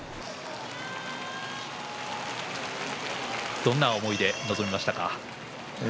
どんな思いで臨みましたか。